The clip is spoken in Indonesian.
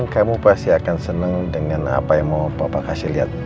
kamu pasti akan senang dengan apa yang mau bapak kasih lihat